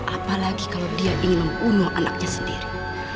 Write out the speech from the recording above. apalagi kalau dia ingin membunuh anaknya sendiri